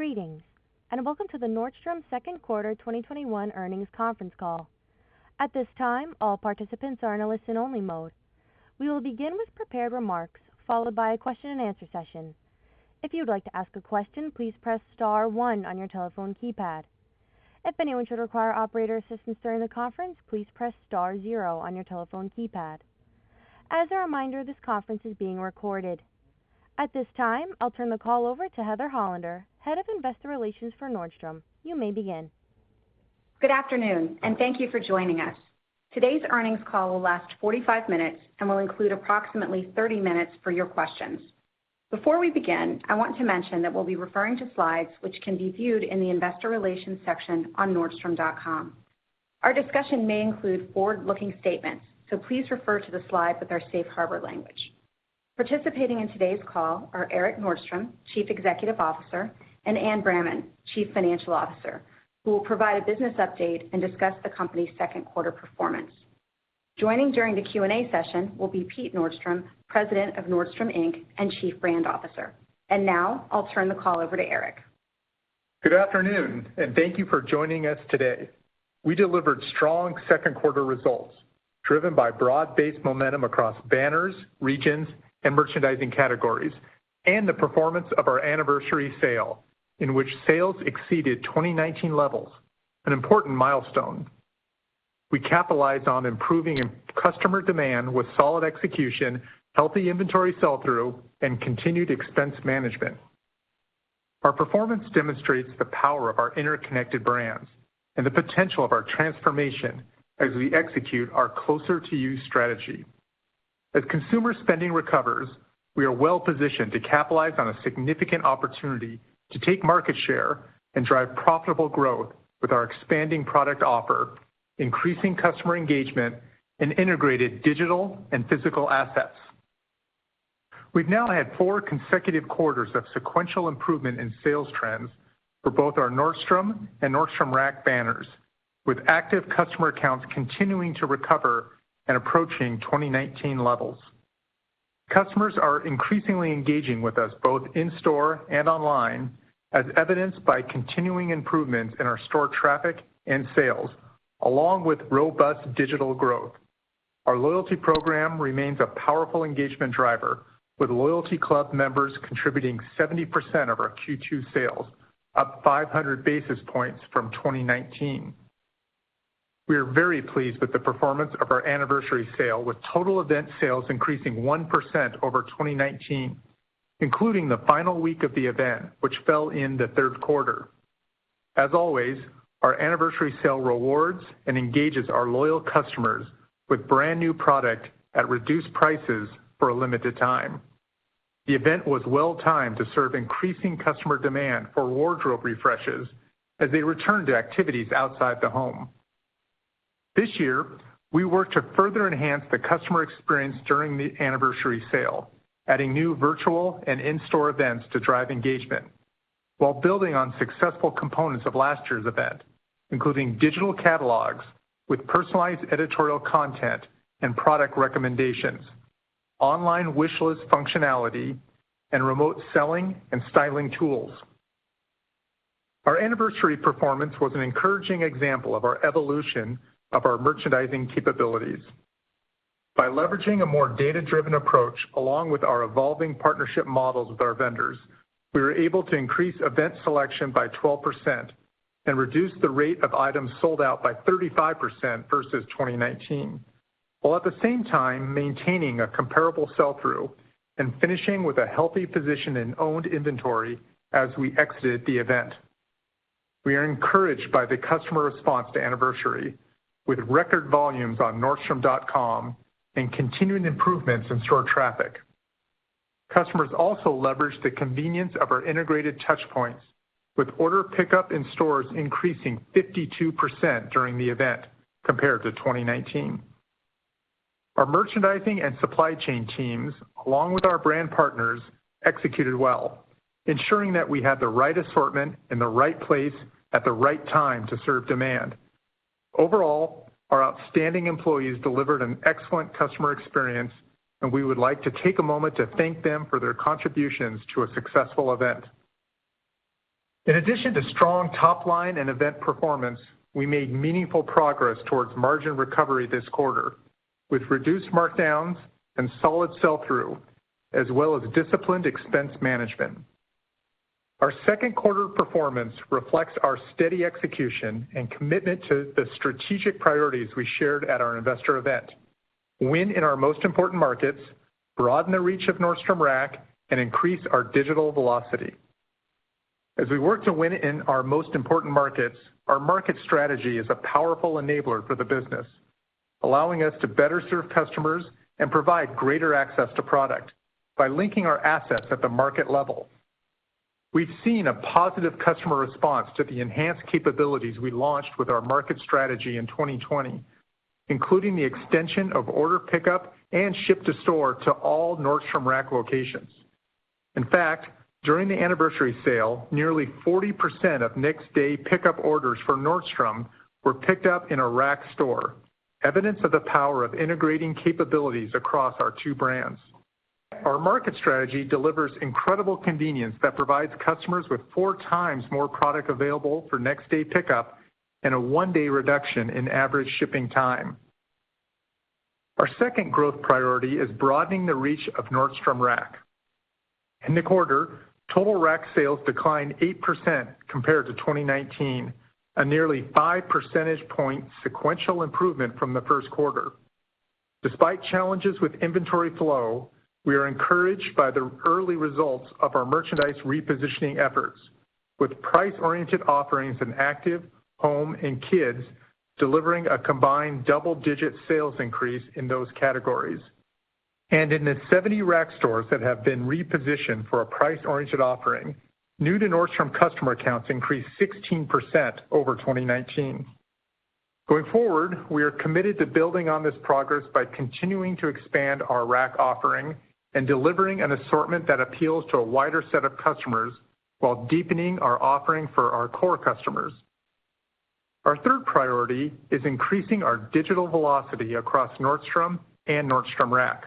Greetings, and welcome to the Nordstrom second quarter 2022 earnings conference call. At this time, all participants are in a listen-only mode. We will begin with prepared remarks, followed by a question-and-answer session. If you would like to ask a question, please press star one on your telephone keypad. If anyone should require operator assistance during the conference, please press star zero on your telephone keypad. As a reminder, this conference is being recorded. At this time, I'll turn the call over to Heather Hollander, head of investor relations for Nordstrom. You may begin. Good afternoon, and thank you for joining us. Today's earnings call will last 45 minutes and will include approximately 30 minutes for your questions. Before we begin, I want to mention that we'll be referring to slides which can be viewed in the investor relations section on nordstrom.com. Our discussion may include forward-looking statements, so please refer to the slide with our safe harbor language. Participating in today's call are Erik Nordstrom, Chief Executive Officer, and Anne Bramman, Chief Financial Officer, who will provide a business update and discuss the company's second quarter performance. Joining during the Q&A session will be Pete Nordstrom, President of Nordstrom, Inc., and Chief Brand Officer. Now, I'll turn the call over to Erik. Good afternoon, and thank you for joining us today. We delivered strong second quarter results, driven by broad-based momentum across banners, regions, and merchandising categories, and the performance of our Anniversary Sale, in which sales exceeded 2019 levels, an important milestone. We capitalized on improving customer demand with solid execution, healthy inventory sell-through, and continued expense management. Our performance demonstrates the power of our interconnected brands and the potential of our transformation as we execute our Closer to You strategy. As consumer spending recovers, we are well-positioned to capitalize on a significant opportunity to take market share and drive profitable growth with our expanding product offer, increasing customer engagement, and integrated digital and physical assets. We've now had four consecutive quarters of sequential improvement in sales trends for both our Nordstrom and Nordstrom Rack banners, with active customer accounts continuing to recover and approaching 2019 levels. Customers are increasingly engaging with us both in-store and online, as evidenced by continuing improvements in our store traffic and sales, along with robust digital growth. Our loyalty program remains a powerful engagement driver, with loyalty club members contributing 70% of our Q2 sales, up 500 basis points from 2019. We are very pleased with the performance of our Anniversary Sale, with total event sales increasing 1% over 2019, including the final week of the event, which fell in the third quarter. As always, our Anniversary Sale rewards and engages our loyal customers with brand-new product at reduced prices for a limited time. The event was well-timed to serve increasing customer demand for wardrobe refreshes as they return to activities outside the home. This year, we worked to further enhance the customer experience during the Anniversary Sale, adding new virtual and in-store events to drive engagement, while building on successful components of last year's event, including digital catalogs with personalized editorial content and product recommendations, online wish list functionality, and remote selling and styling tools. Our Anniversary performance was an encouraging example of our evolution of our merchandising capabilities. By leveraging a more data-driven approach along with our evolving partnership models with our vendors, we were able to increase event selection by 12% and reduce the rate of items sold out by 35% versus 2019, while at the same time maintaining a comparable sell-through and finishing with a healthy position in owned inventory as we exited the event. We are encouraged by the customer response to Anniversary, with record volumes on nordstrom.com and continuing improvements in store traffic. Customers also leveraged the convenience of our integrated touchpoints, with order pickup in stores increasing 52% during the event compared to 2019. Our merchandising and supply chain teams, along with our brand partners, executed well, ensuring that we had the right assortment in the right place at the right time to serve demand. Overall, our outstanding employees delivered an excellent customer experience, and we would like to take a moment to thank them for their contributions to a successful event. In addition to strong top-line and event performance, we made meaningful progress towards margin recovery this quarter with reduced markdowns and solid sell-through, as well as disciplined expense management. Our second quarter performance reflects our steady execution and commitment to the strategic priorities we shared at our investor event. Win in our most important markets, broaden the reach of Nordstrom Rack, and increase our digital velocity. As we work to win in our most important markets, our market strategy is a powerful enabler for the business, allowing us to better serve customers and provide greater access to product by linking our assets at the market level. We've seen a positive customer response to the enhanced capabilities we launched with our market strategy in 2020, including the extension of order pickup and ship to store to all Nordstrom Rack locations. In fact, during the Anniversary Sale, nearly 40% of next day pickup orders for Nordstrom were picked up in a Rack store. Evidence of the power of integrating capabilities across our two brands. Our market strategy delivers incredible convenience that provides customers with four times more product available for next-day pickup and a one-day reduction in average shipping time. Our second growth priority is broadening the reach of Nordstrom Rack. In the quarter, total Rack sales declined 8% compared to 2019, a nearly five percentage point sequential improvement from the Q1. Despite challenges with inventory flow, we are encouraged by the early results of our merchandise repositioning efforts, with price-oriented offerings in active, home, and kids delivering a combined double-digit sales increase in those categories. In the 70 Rack stores that have been repositioned for a price-oriented offering, new-to-Nordstrom customer accounts increased 16% over 2019. Going forward, we are committed to building on this progress by continuing to expand our Rack offering and delivering an assortment that appeals to a wider set of customers while deepening our offering for our core customers. Our third priority is increasing our digital velocity across Nordstrom and Nordstrom Rack.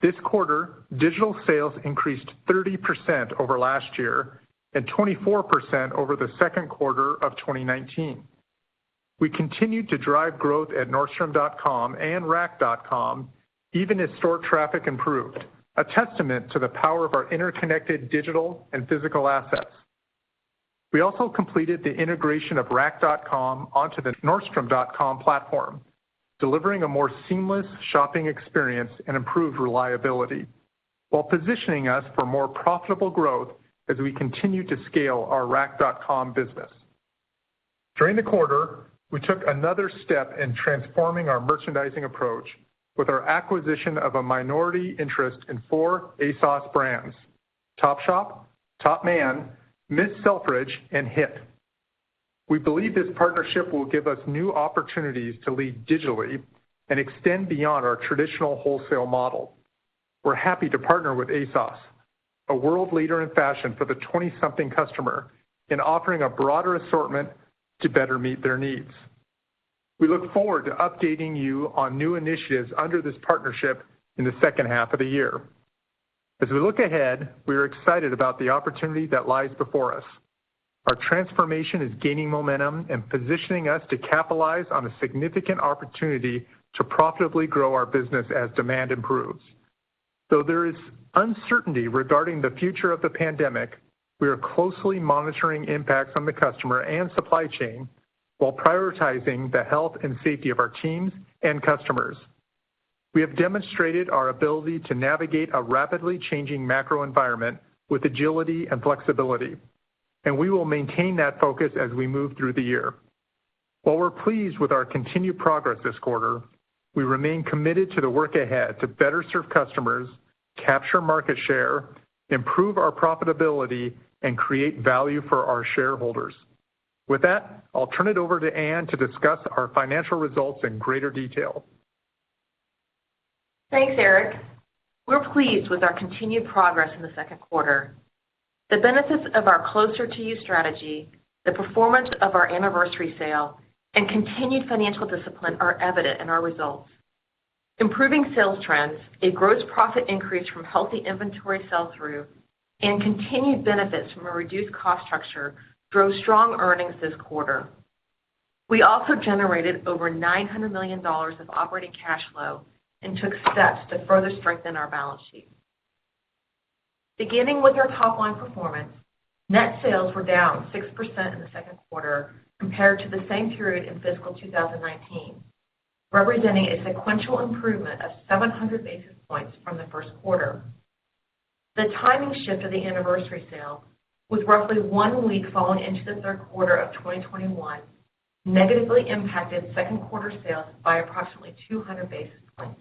This quarter, digital sales increased 30% over last year and 24% over the second quarter of 2019. We continued to drive growth at nordstrom.com and nordstromrack.com even as store traffic improved, a testament to the power of our interconnected digital and physical assets. We also completed the integration of nordstromrack.com onto the nordstrom.com platform, delivering a more seamless shopping experience and improved reliability while positioning us for more profitable growth as we continue to scale our nordstromrack.com business. During the quarter, we took another step in transforming our merchandising approach with our acquisition of a minority interest in four ASOS brands: Topshop, Topman, Miss Selfridge, and HIIT. We believe this partnership will give us new opportunities to lead digitally and extend beyond our traditional wholesale model. We're happy to partner with ASOS, a world leader in fashion for the 20-something customer, in offering a broader assortment to better meet their needs. We look forward to updating you on new initiatives under this partnership in the second half of the year. As we look ahead, we are excited about the opportunity that lies before us. Our transformation is gaining momentum and positioning us to capitalize on a significant opportunity to profitably grow our business as demand improves. Though there is uncertainty regarding the future of the pandemic, we are closely monitoring impacts on the customer and supply chain while prioritizing the health and safety of our teams and customers. We have demonstrated our ability to navigate a rapidly changing macro environment with agility and flexibility, and we will maintain that focus as we move through the year. While we're pleased with our continued progress this quarter, we remain committed to the work ahead to better serve customers, capture market share, improve our profitability, and create value for our shareholders. With that, I'll turn it over to Anne to discuss our financial results in greater detail. Thanks, Erik. We're pleased with our continued progress in the second quarter. The benefits of our Closer to You strategy, the performance of our Anniversary Sale, and continued financial discipline are evident in our results. Improving sales trends, a gross profit increase from healthy inventory sell-through, and continued benefits from a reduced cost structure drove strong earnings this quarter. We also generated over $900 million of operating cash flow and took steps to further strengthen our balance sheet. Beginning with our top-line performance, net sales were down 6% in the second quarter compared to the same period in fiscal 2019, representing a sequential improvement of 700 basis points from the first quarter. The timing shift of the Anniversary Sale was roughly one week falling into the third quarter of 2021, negatively impacted second quarter sales by approximately 200 basis points.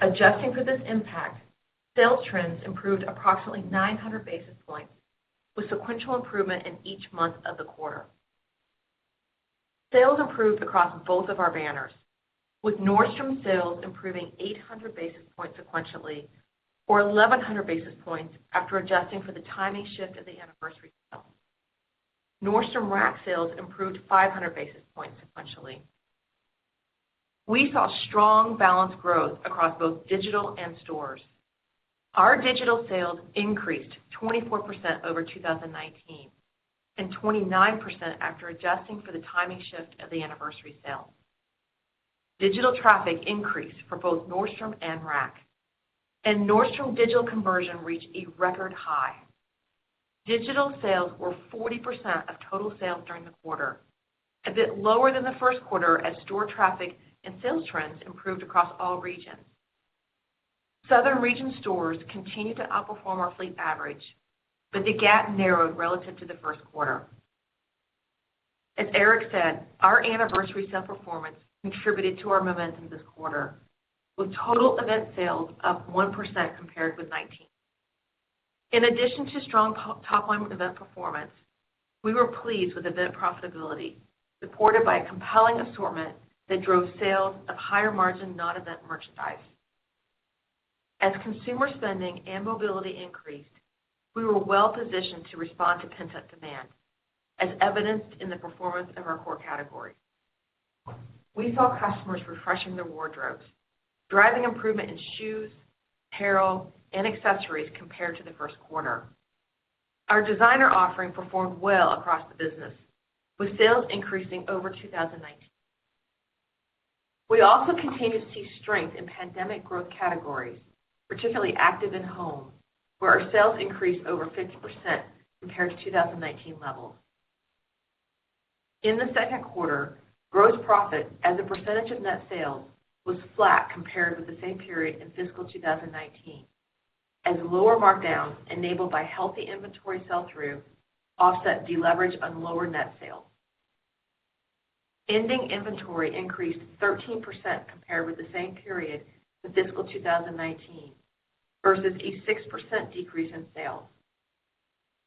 Adjusting for this impact, sales trends improved approximately 900 basis points, with sequential improvement in each month of the quarter. Sales improved across both of our banners, with Nordstrom sales improving 800 basis points sequentially, or 1,100 basis points after adjusting for the timing shift of the Anniversary Sale. Nordstrom Rack sales improved 500 basis points sequentially. We saw strong, balanced growth across both digital and stores. Our digital sales increased 24% over 2019 and 29% after adjusting for the timing shift of the Anniversary Sale. Digital traffic increased for both Nordstrom and Rack, and Nordstrom digital conversion reached a record high. Digital sales were 40% of total sales during the quarter, a bit lower than the first quarter as store traffic and sales trends improved across all regions. Southern region stores continued to outperform our fleet average, but the gap narrowed relative to the first quarter. As Erik said, our Anniversary Sale performance contributed to our momentum this quarter, with total event sales up 1% compared with 2019. In addition to strong top-line event performance, we were pleased with event profitability, supported by a compelling assortment that drove sales of higher-margin non-event merchandise. As consumer spending and mobility increased, we were well positioned to respond to pent-up demand, as evidenced in the performance of our core categories. We saw customers refreshing their wardrobes, driving improvement in shoes, apparel, and accessories compared to the first quarter. Our designer offering performed well across the business, with sales increasing over 2019. We also continue to see strength in pandemic growth categories, particularly active and home, where our sales increased over 50% compared to 2019 levels. In the second quarter, gross profit as a percentage of net sales was flat compared with the same period in fiscal 2019, as lower markdowns enabled by healthy inventory sell-through offset deleverage on lower net sales. Ending inventory increased 13% compared with the same period for fiscal 2019 versus a 6% decrease in sales.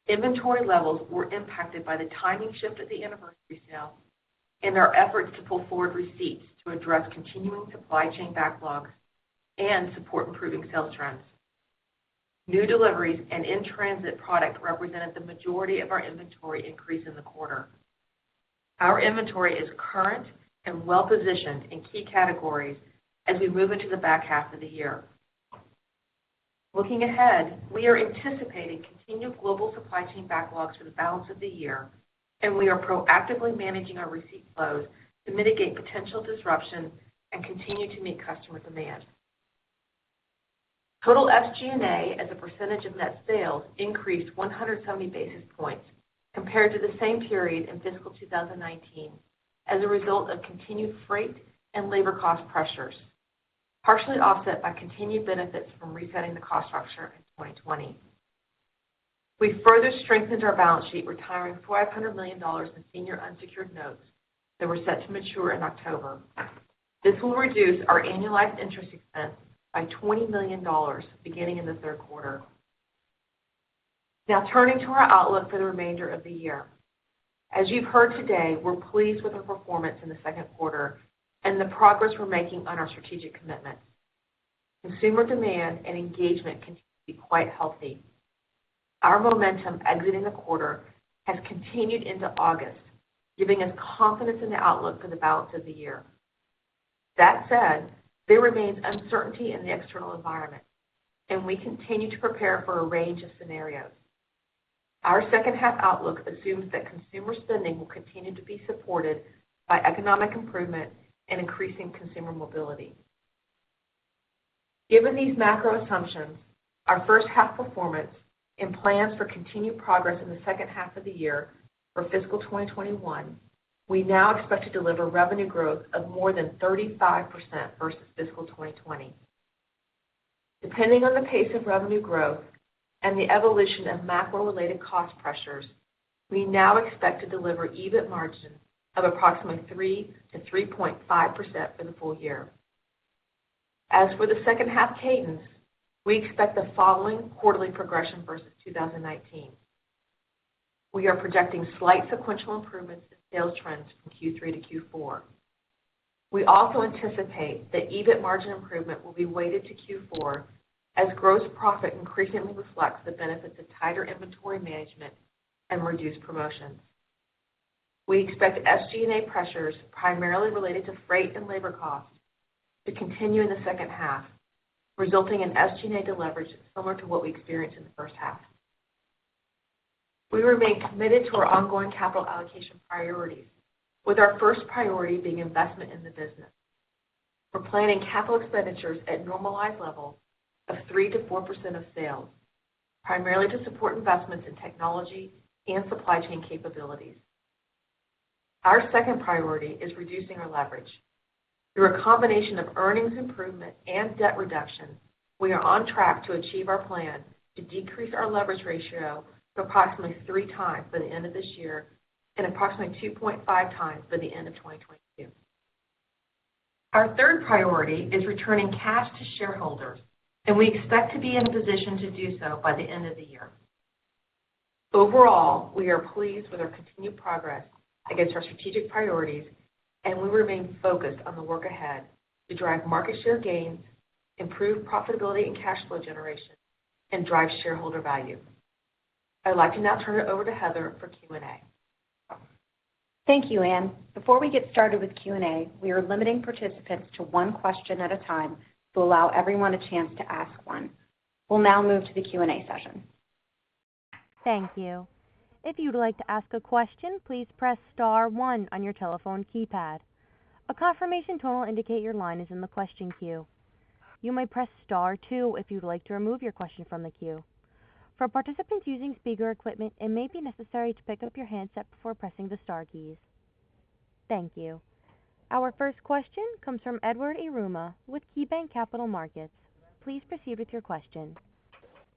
Inventory levels were impacted by the timing shift of the Anniversary Sale and our efforts to pull forward receipts to address continuing supply chain backlogs and support improving sales trends. New deliveries and in-transit product represented the majority of our inventory increase in the quarter. Our inventory is current and well-positioned in key categories as we move into the back half of the year. Looking ahead, we are anticipating continued global supply chain backlogs for the balance of the year, and we are proactively managing our receipt flows to mitigate potential disruptions and continue to meet customer demand. Total SG&A as a percentage of net sales increased 170 basis points compared to the same period in fiscal 2019 as a result of continued freight and labor cost pressures, partially offset by continued benefits from resetting the cost structure in 2020. We further strengthened our balance sheet, retiring $400 million in senior unsecured notes that were set to mature in October. This will reduce our annualized interest expense by $20 million beginning in the third quarter. Now, turning to our outlook for the remainder of the year. As you've heard today, we're pleased with our performance in the second quarter and the progress we're making on our strategic commitments. Consumer demand and engagement continue to be quite healthy. Our momentum exiting the quarter has continued into August, giving us confidence in the outlook for the balance of the year. That said, there remains uncertainty in the external environment, and we continue to prepare for a range of scenarios. Our second half outlook assumes that consumer spending will continue to be supported by economic improvement and increasing consumer mobility. Given these macro assumptions, our first half performance, and plans for continued progress in the second half of the year for fiscal 2021, we now expect to deliver revenue growth of more than 35% versus fiscal 2020. Depending on the pace of revenue growth and the evolution of macro-related cost pressures, we now expect to deliver EBIT margin of approximately 3%-3.5% for the full year. As for the second half cadence, we expect the following quarterly progression versus 2019. We are projecting slight sequential improvements in sales trends from Q3 to Q4. We also anticipate that EBIT margin improvement will be weighted to Q4 as gross profit increasingly reflects the benefits of tighter inventory management and reduced promotions. We expect SG&A pressures primarily related to freight and labor costs to continue in the second half, resulting in SG&A deleverage similar to what we experienced in the first half. We remain committed to our ongoing capital allocation priorities, with our first priority being investment in the business. We're planning capital expenditures at normalized levels of 3%-4% of sales, primarily to support investments in technology and supply chain capabilities. Our second priority is reducing our leverage. Through a combination of earnings improvement and debt reduction, we are on track to achieve our plan to decrease our leverage ratio to approximately three times by the end of this year and approximately 2.5 times by the end of 2022. Our third priority is returning cash to shareholders, and we expect to be in a position to do so by the end of the year. Overall, we are pleased with our continued progress against our strategic priorities, and we remain focused on the work ahead to drive market share gains, improve profitability and cash flow generation, and drive shareholder value. I'd like to now turn it over to Heather for Q&A. Thank you, Anne. Before we get started with Q&A, we are limiting participants to one question at a time to allow everyone a chance to ask one. We'll now move to the Q&A session. Thank you. If you would like to ask a question please press one on your telephone keypad. A confirmation tone indicate your line is in the question queue. You may press star two if you would like to remove your question from the queue. For participants using speaker equipment it may be necessary to pick up your handset before pressing the star key. Thank you. Our first question comes from Edward Yruma with KeyBanc Capital Markets. Please proceed with your question.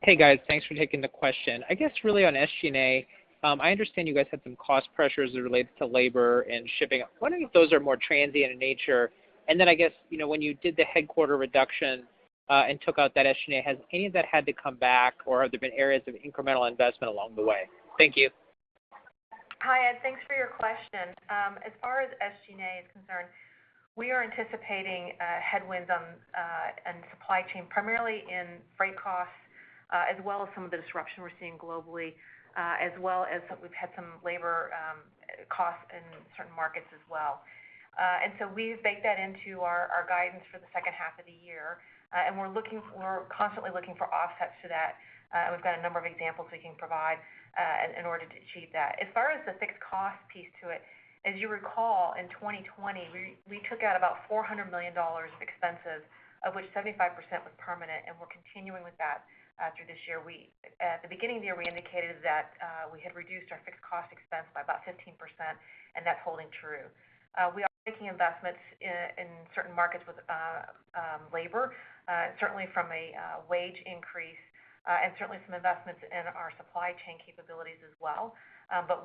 Hey, guys. Thanks for taking the question. I guess really on SG&A, I understand you guys had some cost pressures related to labor and shipping. I'm wondering if those are more transient in nature. I guess, when you did the headquarter reduction and took out that SG&A, has any of that had to come back, or have there been areas of incremental investment along the way? Thank you. Hi, Ed. Thanks for your question. As far as SG&A is concerned, we are anticipating headwinds on supply chain, primarily in freight costs, as well as some of the disruption we're seeing globally, as well as we've had some labor costs in certain markets as well. We've baked that into our guidance for the second half of the year. We're constantly looking for offsets to that, and we've got a number of examples we can provide in order to achieve that. As far as the fixed cost piece to it, as you recall, in 2020, we took out about $400 million of expenses, of which 75% was permanent, and we're continuing with that through this year. At the beginning of the year, we indicated that we had reduced our fixed cost expense by about 15%, and that's holding true. We are making investments in certain markets with labor, certainly from a wage increase, and certainly some investments in our supply chain capabilities as well.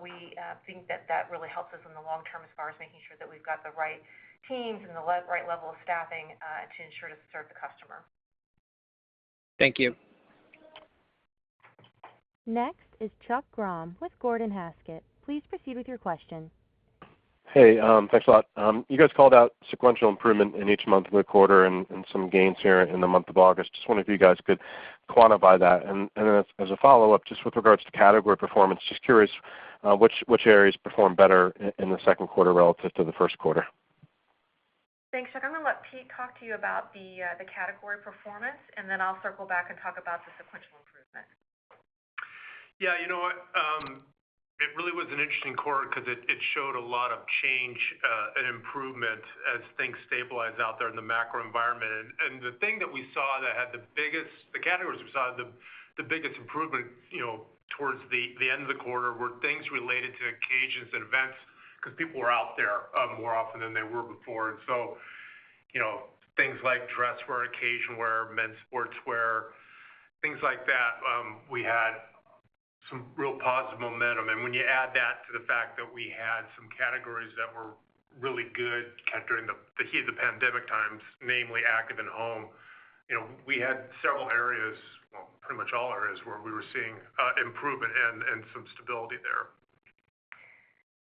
We think that really helps us in the long term as far as making sure that we've got the right teams and the right level of staffing to ensure to serve the customer. Thank you. Next is Chuck Grom with Gordon Haskett. Please proceed with your question. Hey, thanks a lot. You guys called out sequential improvement in each month of the quarter and some gains here in the month of August. Just wondering if you guys could quantify that. As a follow-up, just with regards to category performance, just curious which areas performed better in the second quarter relative to the first quarter? Thanks, Chuck. I'm going to let Pete talk to you about the category performance, and then I'll circle back and talk about the sequential improvement. Yeah. You know what? It really was an interesting quarter because it showed a lot of change and improvement as things stabilized out there in the macro environment. The categories we saw the biggest improvement towards the end of the quarter were things related to occasions and events because people were out there more often than they were before. Things like dress wear, occasion wear, men's sportswear, things like that, we had some real positive momentum. When you add that to the fact that we had some categories that were really good during the heat of the pandemic times, namely active and home, we had several areas, well, pretty much all areas, where we were seeing improvement and some stability there.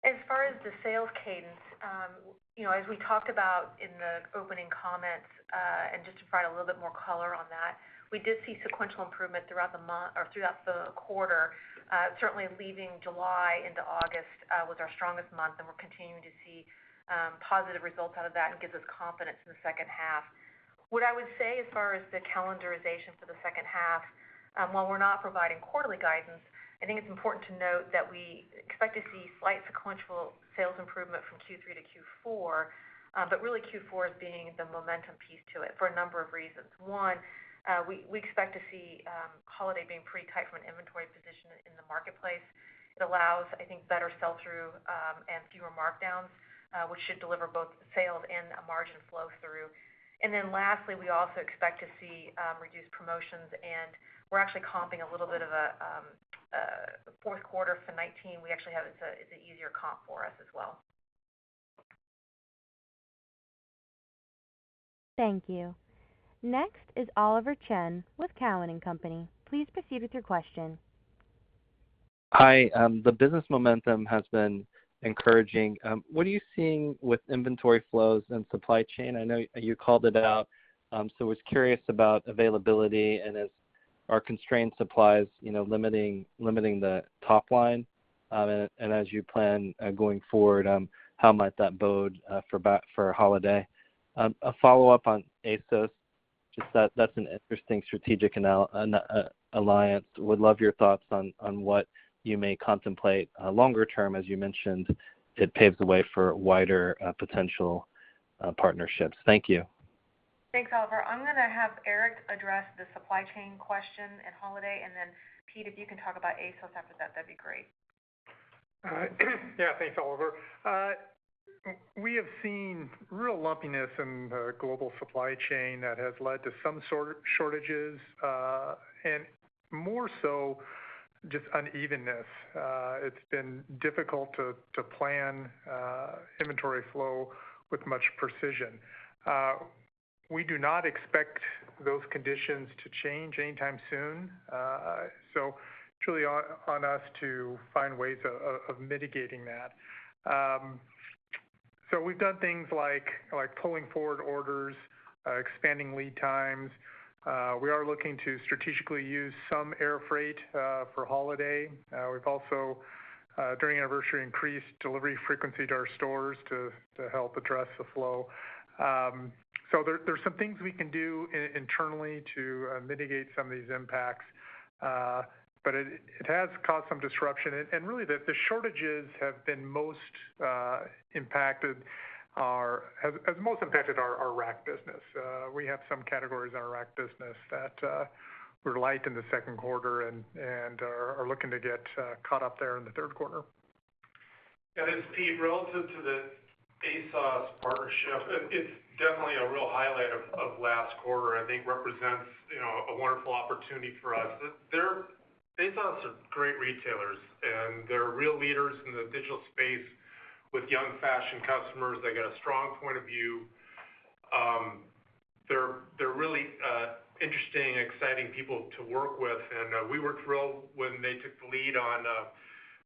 As far as the sales cadence, as we talked about in the opening comments, and just to provide a little bit more color on that, we did see sequential improvement throughout the quarter. Certainly leaving July into August was our strongest month, and we're continuing to see positive results out of that, and it gives us confidence in the second half. What I would say as far as the calendarization for the second half, while we're not providing quarterly guidance, I think it's important to note that we expect to see slight sequential sales improvement from Q3 to Q4, but really Q4 as being the momentum piece to it for a number of reasons. One, we expect to see holiday being pretty tight from an inventory position in the marketplace. It allows, I think, better sell-through, and fewer markdowns, which should deliver both sales and a margin flow through. Lastly, we also expect to see reduced promotions. We're actually comping a little bit of a fourth quarter for 2019. It's an easier comp for us as well. Thank you. Next is Oliver Chen with Cowen and Company. Please proceed with your question. Hi. The business momentum has been encouraging. What are you seeing with inventory flows and supply chain? I know you called it out, so was curious about availability and as are constrained supplies limiting the top line. As you plan going forward, how might that bode for holiday? A follow-up on ASOS. Just that's an interesting strategic alliance. Would love your thoughts on what you may contemplate longer term. As you mentioned, it paves the way for wider potential partnerships. Thank you. Thanks, Oliver. I'm going to have Erik address the supply chain question and holiday, and then Pete, if you can talk about ASOS after that'd be great. Thanks, Oliver. We have seen real lumpiness in the global supply chain that has led to some shortages, and more so, just unevenness. It's been difficult to plan inventory flow with much precision. We do not expect those conditions to change anytime soon. It's really on us to find ways of mitigating that. We've done things like pulling forward orders, expanding lead times. We are looking to strategically use some air freight for holiday. We've also, during Anniversary, increased delivery frequency to our stores to help address the flow. There's some things we can do internally to mitigate some of these impacts. It has caused some disruption, and really, the shortages have most impacted our Rack business. We have some categories in our Rack business that were light in the second quarter and are looking to get caught up there in the third quarter. Pete, relative to the ASOS partnership, it's definitely a real highlight of last quarter. I think it represents a wonderful opportunity for us. ASOS are great retailers, and they're real leaders in the digital space with young fashion customers. They got a strong point of view. They're really interesting and exciting people to work with, and we were thrilled when they took the lead on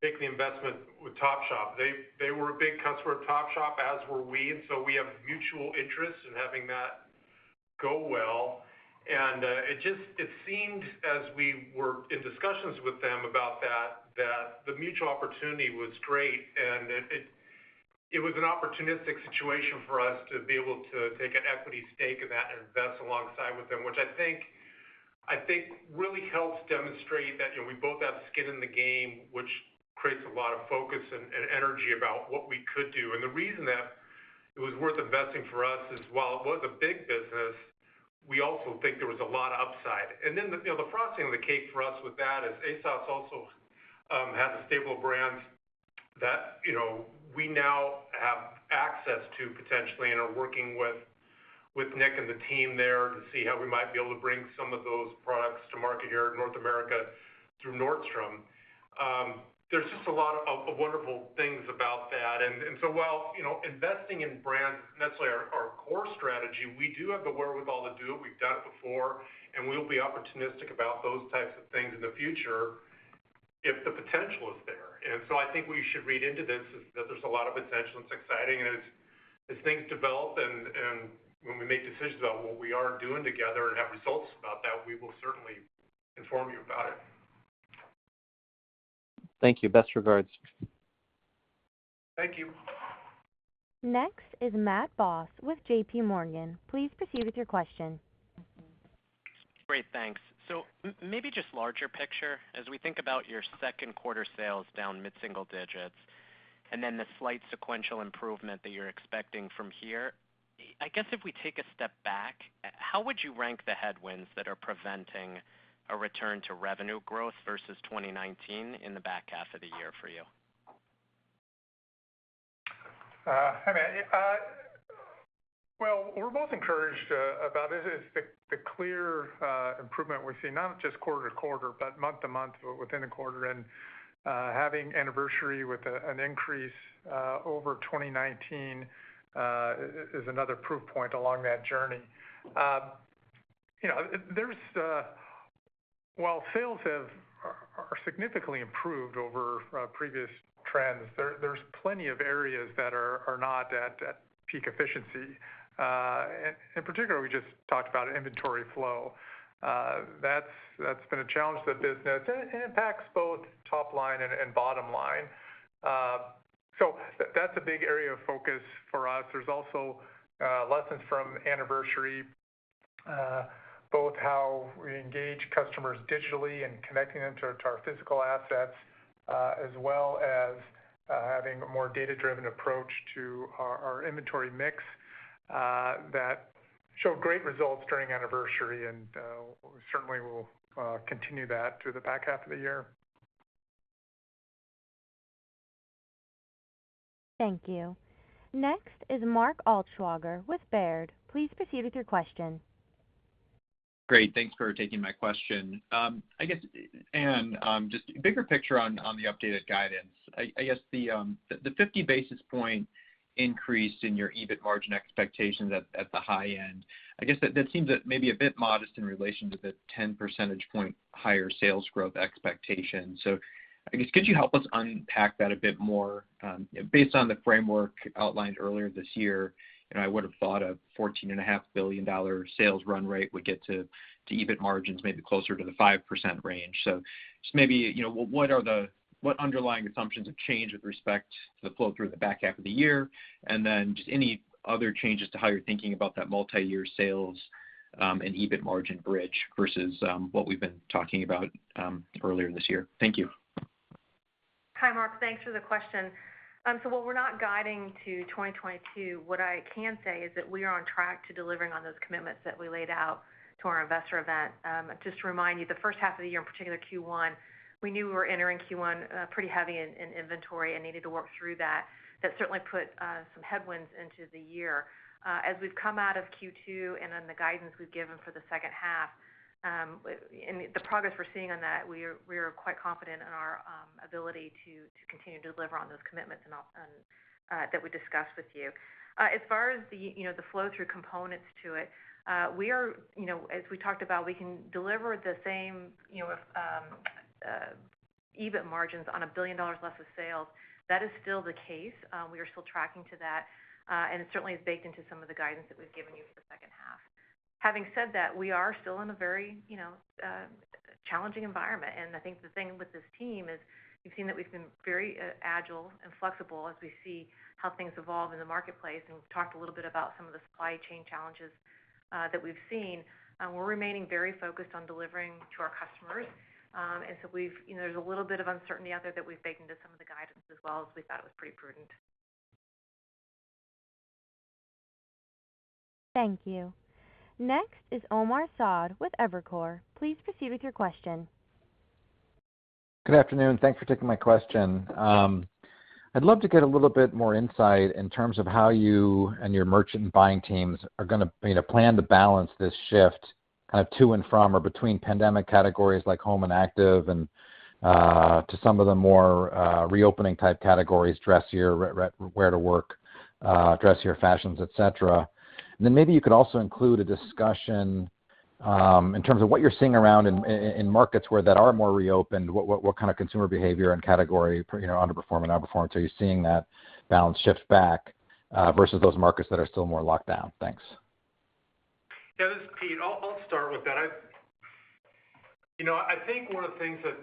making the investment with Topshop. They were a big customer of Topshop, as were we, and so we have mutual interest in having that go well. It seemed as we were in discussions with them about that the mutual opportunity was great, and it was an opportunistic situation for us to be able to take an equity stake in that and invest alongside with them, which I think really helps demonstrate that we both have skin in the game, which creates a lot of focus and energy about what we could do. The reason that it was worth investing for us is while it was a big business, we also think there was a lot of upside. Then the frosting on the cake for us with that is ASOS also has stable brands that we now have access to potentially and are working with Nick and the team there to see how we might be able to bring some of those products to market here in North America through Nordstrom. There's just a lot of wonderful things about that. While investing in brands isn't necessarily our core strategy, we do have the wherewithal to do it. We've done it before, and we'll be opportunistic about those types of things in the future if the potential is there. I think what you should read into this is that there's a lot of potential, and it's exciting, and as things develop and when we make decisions about what we are doing together and have results about that, we will certainly inform you about it. Thank you. Best regards. Thank you. Next is Matt Boss with JPMorgan. Please proceed with your question. Great. Thanks. Maybe just larger picture, as we think about your second quarter sales down mid-single digits, and then the slight sequential improvement that you're expecting from here, I guess if we take a step back, how would you rank the headwinds that are preventing a return to revenue growth versus 2019 in the back half of the year for you? We're both encouraged about this. It's the clear improvement we've seen, not just quarter-to-quarter, but month-to-month within a quarter. Having Anniversary with an increase over 2019 is another proof point along that journey. While sales have significantly improved over previous trends, there's plenty of areas that are not at peak efficiency. In particular, we just talked about inventory flow. That's been a challenge to the business, and it impacts both top line and bottom line. That's a big area of focus for us. There's also lessons from Anniversary, both how we engage customers digitally and connecting them to our physical assets, as well as having a more data-driven approach to our inventory mix that showed great results during Anniversary, and we certainly will continue that through the back half of the year. Thank you. Next is Mark Altschwager with Baird. Please proceed with your question. Great. Thanks for taking my question. Anne, just bigger picture on the updated guidance. I guess the 50 basis point increase in your EBIT margin expectations at the high end, I guess that seems maybe a bit modest in relation to the 10 percentage point higher sales growth expectation. I guess, could you help us unpack that a bit more? Based on the framework outlined earlier this year, I would've thought a $14.5 billion sales run rate would get to EBIT margins maybe closer to the 5% range. Just maybe, what underlying assumptions have changed with respect to the flow through the back half of the year, any other changes to how you're thinking about that multi-year sales and EBIT margin bridge versus what we've been talking about earlier this year. Thank you. Hi, Mark. Thanks for the question. While we're not guiding to 2022, what I can say is that we are on track to delivering on those commitments that we laid out to our investor event. Just to remind you, the first half of the year, in particular Q1, we knew we were entering Q1 pretty heavy in inventory and needed to work through that. That certainly put some headwinds into the year. As we've come out of Q2 and on the guidance we've given for the second half, and the progress we're seeing on that, we are quite confident in our ability to continue to deliver on those commitments that we discussed with you. As far as the flow through components to it, as we talked about, we can deliver the same EBIT margins on $1 billion less of sales. That is still the case. We are still tracking to that. It certainly is baked into some of the guidance that we've given you for the second half. Having said that, we are still in a very challenging environment, and I think the thing with this team is you've seen that we've been very agile and flexible as we see how things evolve in the marketplace, and we've talked a little bit about some of the supply chain challenges that we've seen. We're remaining very focused on delivering to our customers. There's a little bit of uncertainty out there that we've baked into some of the guidance as well, as we thought it was pretty prudent. Thank you. Next is Omar Saad with Evercore. Please proceed with your question. Good afternoon. Thanks for taking my question. I'd love to get a little bit more insight in terms of how you and your merchant buying teams are going to plan to balance this shift to and from or between pandemic categories like home and active, and to some of the more reopening type categories, dressier, wear to work, dressier fashions, et cetera. Maybe you could also include a discussion in terms of what you're seeing around in markets that are more reopened, what kind of consumer behavior and category, underperforming, outperforming. Are you seeing that balance shift back versus those markets that are still more locked down? Thanks. Yeah, this is Pete. I'll start with that. I think one of the things that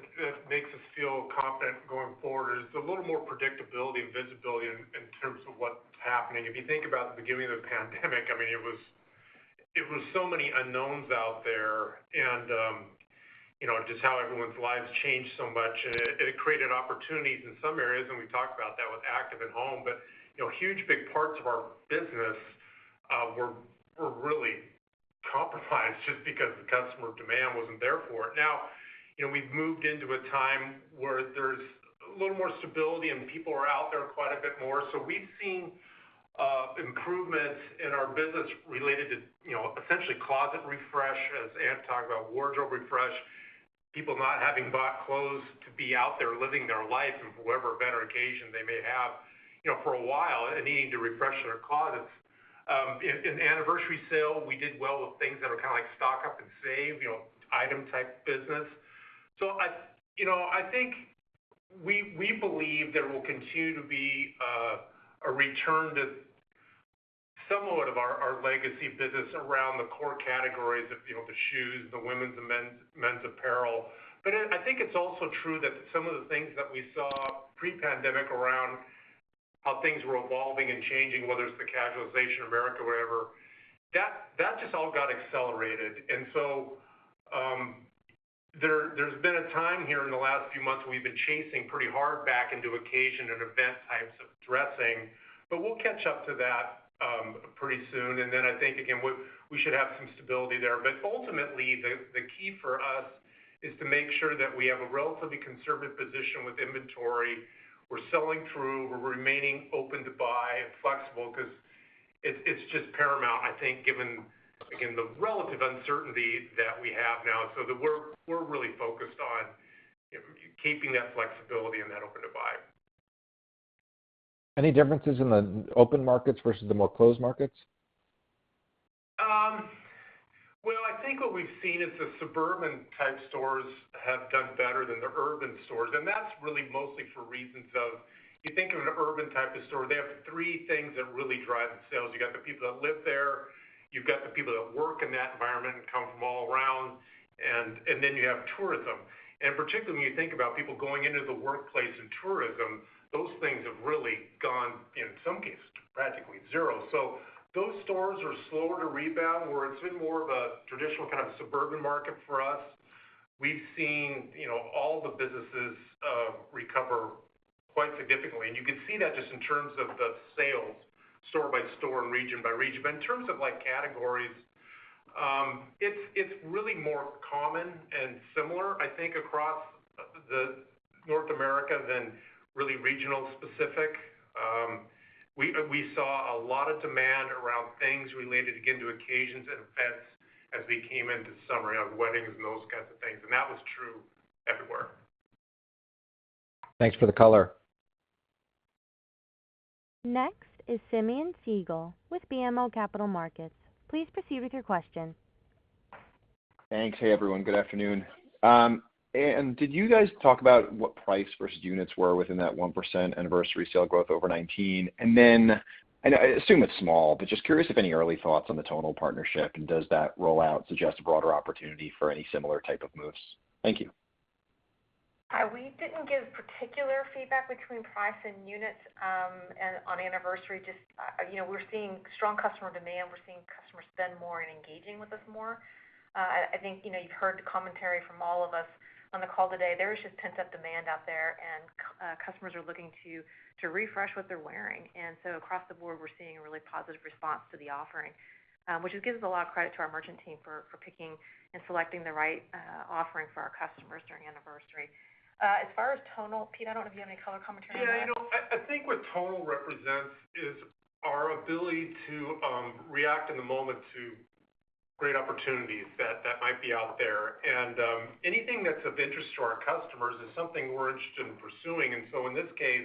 makes us feel confident going forward is a little more predictability and visibility in terms of what's happening. If you think about the beginning of the pandemic, it was so many unknowns out there, and just how everyone's lives changed so much, and it created opportunities in some areas, and we talked about that with active and home. Huge big parts of our business were really compromised just because the customer demand wasn't there for it. Now, we've moved into a time where there's a little more stability and people are out there quite a bit more. We've seen improvements in our business related to essentially closet refresh, as Anne talked about, wardrobe refresh, people not having bought clothes to be out there living their life and for whatever event or occasion they may have for a while, and needing to refresh their closets. In Anniversary Sale, we did well with things that were like stock up and save, item type business. I think we believe there will continue to be a return to somewhat of our legacy business around the core categories of the shoes, the women's and men's apparel. I think it's also true that some of the things that we saw pre-pandemic around how things were evolving and changing, whether it's the casualization of America, whatever, that just all got accelerated. There's been a time here in the last few months where we've been chasing pretty hard back into occasion and event types of dressing. We'll catch up to that pretty soon, and then I think, again, we should have some stability there. Ultimately, the key for us is to make sure that we have a relatively conservative position with inventory. We're selling through, we're remaining open to buy and flexible because it's just paramount, I think, given, again, the relative uncertainty that we have now. We're really focused on keeping that flexibility and that open to buy. Any differences in the open markets versus the more closed markets? I think what we've seen is the suburban type stores have done better than the urban stores, and that's really mostly for reasons of, you think of an urban type of store, they have three things that really drive the sales. You've got the people that live there, you've got the people that work in that environment and come from all around, and then you have tourism. Particularly when you think about people going into the workplace and tourism, those things have really gone, in some cases, to practically zero. Those stores are slower to rebound. Where it's been more of a traditional kind of suburban market for us, we've seen all the businesses recover quite significantly. You can see that just in terms of the sales store by store and region by region. In terms of categories, it's really more common and similar, I think, across North America than really regional specific. We saw a lot of demand around things related, again, to occasions and events as we came into summer, weddings and those kinds of things, and that was true everywhere. Thanks for the color. Next is Simeon Siegel with BMO Capital Markets. Please proceed with your question. Thanks. Hey, everyone. Good afternoon. Anne, did you guys talk about what price versus units were within that 1% Anniversary Sale growth over 2019? I assume it's small, but just curious if any early thoughts on the Tonal partnership, and does that rollout suggest a broader opportunity for any similar type of moves? Thank you. We didn't give particular feedback between price and units on Anniversary, just we're seeing strong customer demand. We're seeing customers spend more and engaging with us more. I think you've heard the commentary from all of us on the call today. There is just pent-up demand out there, and customers are looking to refresh what they're wearing. Across the board, we're seeing a really positive response to the offering, which gives a lot of credit to our merchant team for picking and selecting the right offering for our customers during Anniversary. As far as Tonal, Pete, I don't know if you have any color commentary on that. Yeah. I think what Tonal represents is our ability to react in the moment to great opportunities that might be out there. Anything that's of interest to our customers is something we're interested in pursuing. In this case,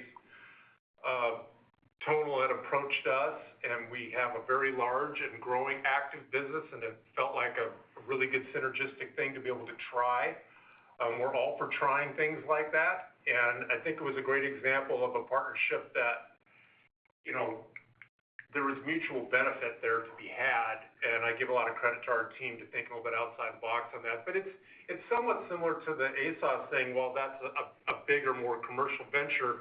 Tonal had approached us, and we have a very large and growing active business, and it felt like a really good synergistic thing to be able to try. We're all for trying things like that, and I think it was a great example of a partnership that there was mutual benefit there to be had, and I give a lot of credit to our team to think a little bit outside the box on that. It's somewhat similar to the ASOS thing. While that's a bigger, more commercial venture,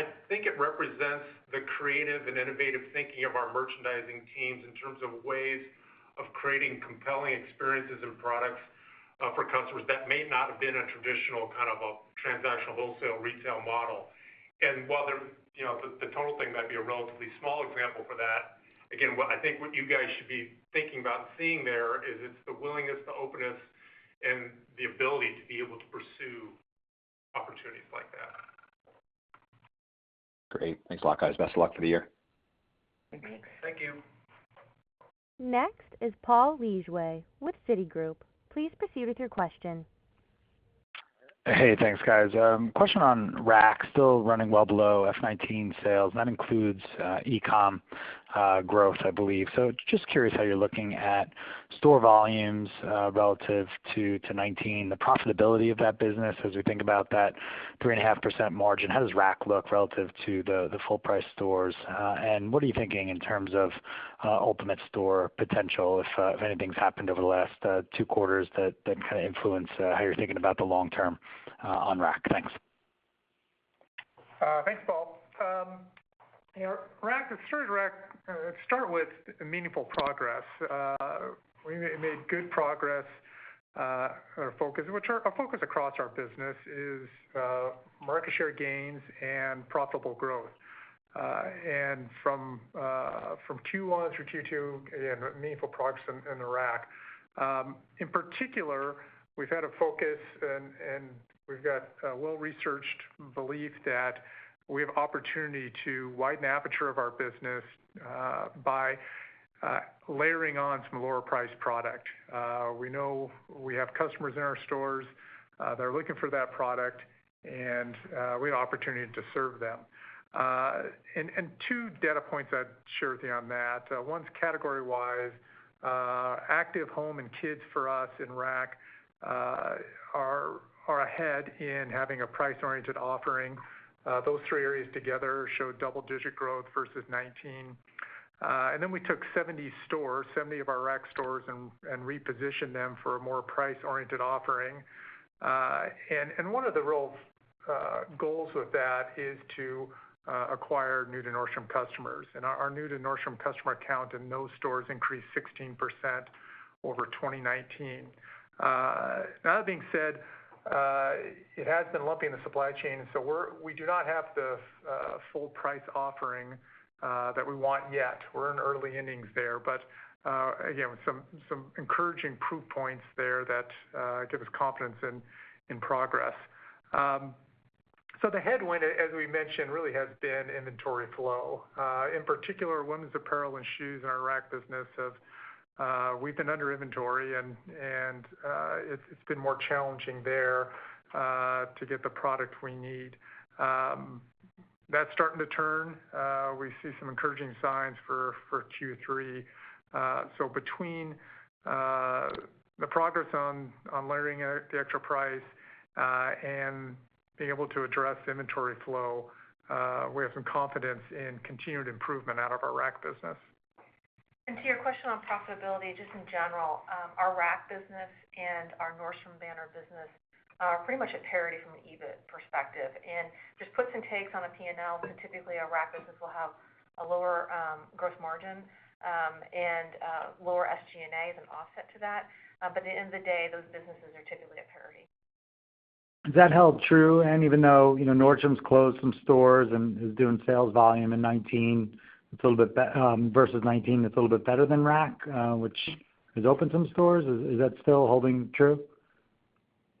I think it represents the creative and innovative thinking of our merchandising teams in terms of ways of creating compelling experiences and products for customers that may not have been a traditional kind of a transactional wholesale retail model. While the Tonal thing might be a relatively small example for that, again, what I think you guys should be thinking about and seeing there is it's the willingness, the openness, and the ability to be able to pursue. Great. Thanks a lot, guys. Best of luck for the year. Thank you. Thank you. Next is Paul Lejuez with Citigroup. Please proceed with your question. Hey, thanks guys. Question on Rack still running well below FY 2019 sales. That includes e-com growth, I believe. Just curious how you're looking at store volumes relative to 2019, the profitability of that business as we think about that 3.5% margin. How does Rack look relative to the full-price stores? What are you thinking in terms of ultimate store potential if anything's happened over the last two quarters that kind of influence how you're thinking about the long term on Rack? Thanks. Thanks, Paul. The story with Rack, start with meaningful progress. We made good progress. Our focus across our business is market share gains and profitable growth. From Q1 through Q2, again, meaningful progress in the Rack. In particular, we've had a focus and we've got a well-researched belief that we have opportunity to widen the aperture of our business by layering on some lower priced product. We know we have customers in our stores that are looking for that product, and we had an opportunity to serve them. Two data points I'd share with you on that. One's category-wise. Active home and kids for us in Rack are ahead in having a price-oriented offering. Those three areas together show double-digit growth versus 2019. We took 70 stores, 70 of our Rack stores, and repositioned them for a more price-oriented offering. One of the real goals with that is to acquire new-to-Nordstrom customers. Our new-to-Nordstrom customer count in those stores increased 16% over 2019. That being said, it has been lumpy in the supply chain, we do not have the full price offering that we want yet. We're in early innings there, again, with some encouraging proof points there that give us confidence in progress. The headwind, as we mentioned, really has been inventory flow. In particular, women's apparel and shoes in our Rack business We've been under inventory and it's been more challenging there to get the product we need. That's starting to turn. We see some encouraging signs for Q3. Between the progress on layering the extra price, and being able to address inventory flow, we have some confidence in continued improvement out of our Rack business. To your question on profitability, just in general, our Rack business and our Nordstrom banner business are pretty much at parity from an EBIT perspective, just puts and takes on a P&L. Typically, our Rack business will have a lower gross margin, and lower SG&A as an offset to that. At the end of the day, those businesses are typically at parity. Does that hold true? Even though Nordstrom closed some stores and is doing sales volume in 2019, it's a little bit better versus 2019, it's a little bit better than Nordstrom Rack, which has opened some stores. Is that still holding true?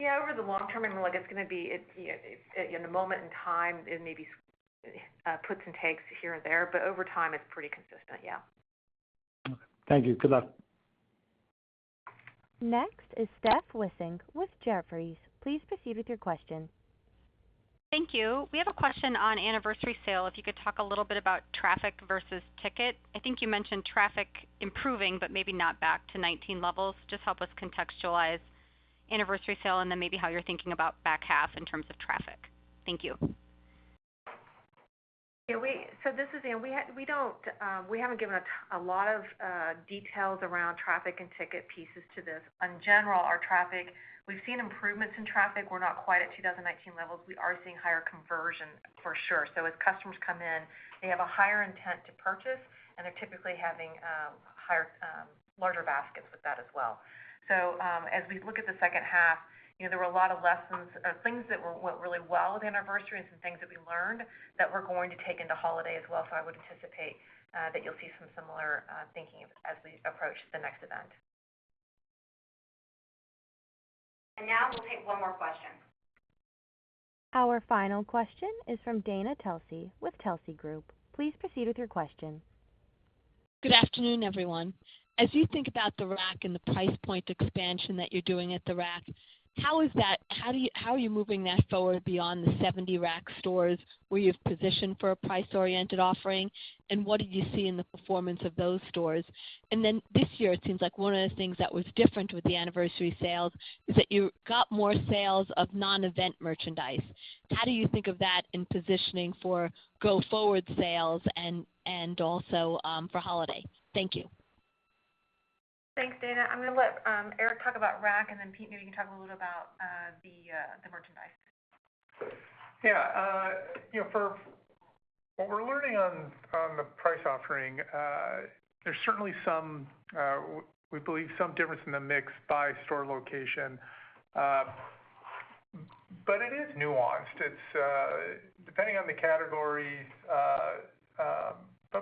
Yeah. Over the long term, I mean, look, in a moment in time, it may be puts and takes here and there, but over time, it's pretty consistent, yeah. Okay. Thank you. Good luck. Next is Steph Wissink with Jefferies. Please proceed with your question. Thank you. We have a question on Anniversary Sale. If you could talk a little bit about traffic versus ticket. I think you mentioned traffic improving, but maybe not back to 2019 levels. Just help us contextualize Anniversary Sale, and then maybe how you're thinking about back half in terms of traffic. Thank you. Yeah. This is Anne. We haven't given a lot of details around traffic and ticket pieces to this. In general, our traffic, we've seen improvements in traffic. We're not quite at 2019 levels. We are seeing higher conversion for sure. As customers come in, they have a higher intent to purchase, and they're typically having larger baskets with that as well. As we look at the second half, there were a lot of lessons of things that went really well with Anniversary Sale and some things that we learned that we're going to take into holiday as well. I would anticipate that you'll see some similar thinking as we approach the next event. Now we'll take one more question. Our final question is from Dana Telsey with Telsey Group. Please proceed with your question. Good afternoon, everyone. As you think about the Rack and the price point expansion that you're doing at the Rack, how are you moving that forward beyond the 70 Rack stores where you've positioned for a price-oriented offering, and what did you see in the performance of those stores? This year, it seems like one of the things that was different with the Anniversary Sale is that you got more sales of non-event merchandise. How do you think of that in positioning for go-forward sales and also for holiday? Thank you. Thanks, Dana. I'm going to let Erik talk about Rack, and then Pete, maybe you can talk a little about the merchandise. Yeah. What we're learning on the price offering, there's certainly some, we believe, some difference in the mix by store location. It is nuanced. Depending on the categories.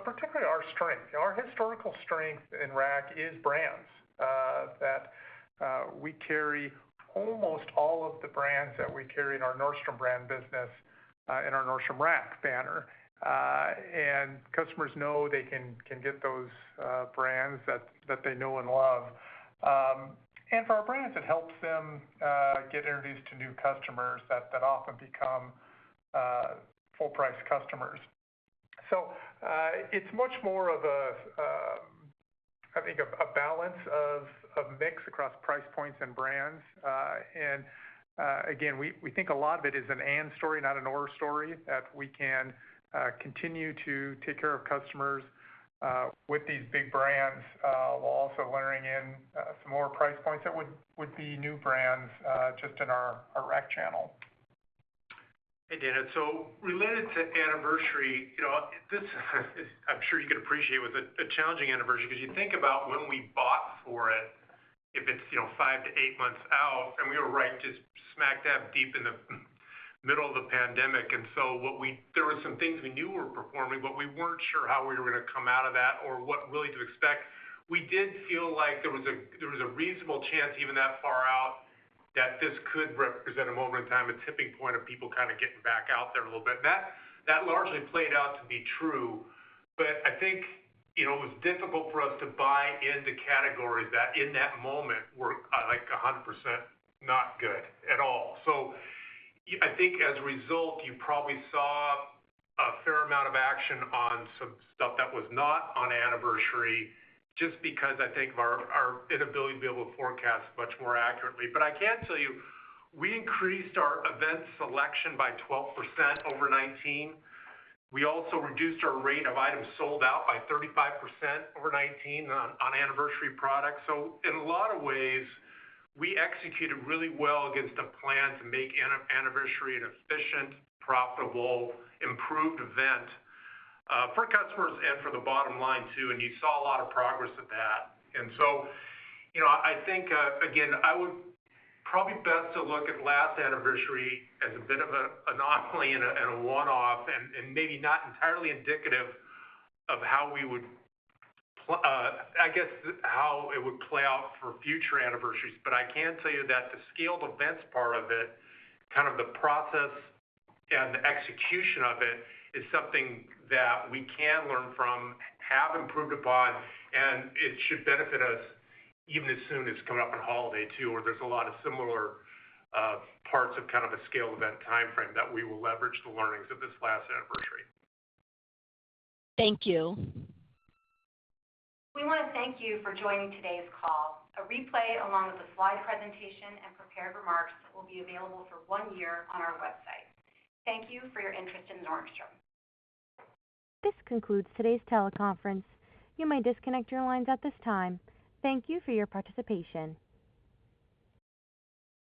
Particularly our strength. Our historical strength in Rack is brands, that we carry almost all of the brands that we carry in our Nordstrom brand business in our Nordstrom Rack banner. Customers know they can get those brands that they know and love. For our brands, it helps them get introduced to new customers that often become full-price customers. It's much more of a, I think, a balance of a mix across price points and brands. Again, we think a lot of it is an and story, not an or story, that we can continue to take care of customers with these big brands, while also layering in some more price points that would be new brands just in our Rack channel. Hey, Dana. Related to Anniversary, this is, I'm sure you could appreciate, was a challenging Anniversary because you think about when we bought for it, if it's five to eight months out, and we were right smack dab deep in the middle of the pandemic. There were some things we knew were performing, but we weren't sure how we were going to come out of that, or what really to expect. We did feel like there was a reasonable chance, even that far out, that this could represent a moment in time, a tipping point of people kind of getting back out there a little bit. That largely played out to be true. I think it was difficult for us to buy into categories that, in that moment, were 100% not good at all. I think as a result, you probably saw a fair amount of action on some stuff that was not on Anniversary just because, I think, of our inability to be able to forecast much more accurately. I can tell you, we increased our event selection by 12% over 2019. We also reduced our rate of items sold out by 35% over 2019 on Anniversary products. In a lot of ways, we executed really well against a plan to make Anniversary an efficient, profitable, improved event for customers and for the bottom line, too, and you saw a lot of progress with that. I think, again, probably best to look at last Anniversary as a bit of an anomaly and a one-off, and maybe not entirely indicative of how it would play out for future Anniversaries. I can tell you that the scaled events part of it, kind of the process and the execution of it, is something that we can learn from, have improved upon, and it should benefit us even as soon as coming up in holiday, too, where there's a lot of similar parts of kind of a scaled event timeframe that we will leverage the learnings of this last Anniversary. Thank you. We want to thank you for joining today's call. A replay, along with the slide presentation and prepared remarks, will be available for one year on our website. Thank you for your interest in Nordstrom. This concludes today's teleconference. You may disconnect your lines at this time. Thank you for your participation.